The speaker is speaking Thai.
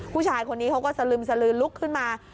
ผู้ชายคนนี้เขาก็สลึมสลือลุกขึ้นมา